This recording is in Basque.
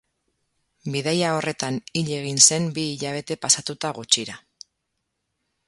Bidaia horretan hil egin zen bi hilabete pasatu eta gutxira.